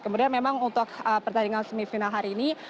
kemudian memang untuk pertandingan semifinal hari ini